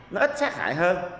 nó ít sát hại hơn